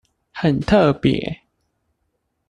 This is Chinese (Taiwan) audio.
很特別